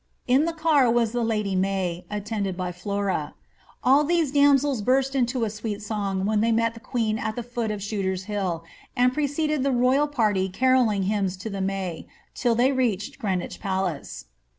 In the car was the lady May, attended by Flora. All these damsels burst into a sweet song when they met the queen at the foot of Shooter's Hill, and preceded the royal party carolling hymns to the May, till they reached Greenwich Palace.